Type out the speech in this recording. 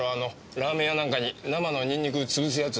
ラーメン屋なんかに生のニンニク潰すやつ。